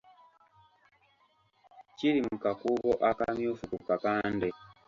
Kiri mu kakuubo akamyufu ku kapande.